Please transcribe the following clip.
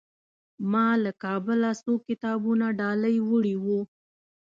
ما له کابله څو کتابونه ډالۍ وړي وو.